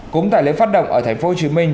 cũng tại lễ phát động ở tp hcm